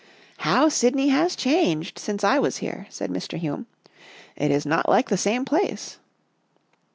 " How Sydney has changed since I was here," said Mr. Hume. " It is not like the same place."